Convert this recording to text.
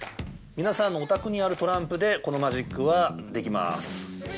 皆さんのお宅にあるトランプでこのマジックはできます。